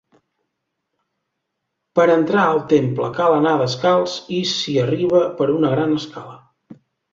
Per entrar al temple cal anar descalç i s'hi arriba per una gran escala.